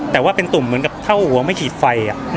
แต่ว่าเป็นตุ่มเหมือนกับเท่าหัวไม่ขีดไฟ